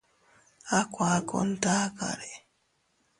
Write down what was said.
A kuakun takare.